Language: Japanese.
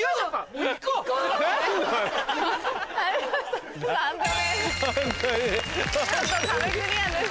見事壁クリアです。